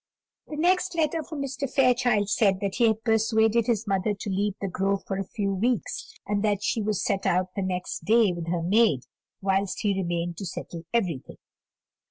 The next letter from Mr. Fairchild said that he had persuaded his mother to leave The Grove for a few weeks; and that she was to set out the next day with her maid, whilst he remained to settle everything.